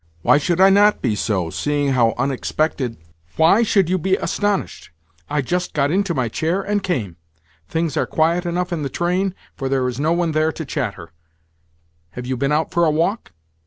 Why should I not be so, seeing how unexpected—" "Why should you be astonished? I just got into my chair, and came. Things are quiet enough in the train, for there is no one there to chatter. Have you been out for a walk?"